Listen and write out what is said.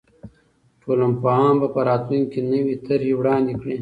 ټولنپوهان به په راتلونکي کې نوې طرحې وړاندې کړي.